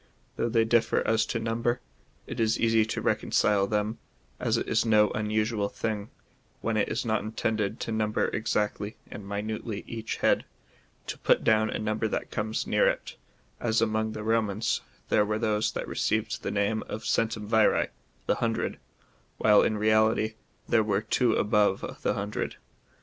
Though they differ as to number, it is easy to recon cile them, as it is no unusual tiling, when it is not intended to number exactly and minutely each head,^ to put down a number that comes near it, as among the Romans there were those that received the name of Gentumviri^ (The Hundred,) while in reality there were two above the hun dred.